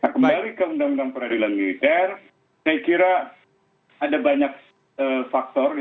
kembali ke undang undang peradilan militer saya kira ada banyak faktor